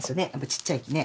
ちっちゃいきね。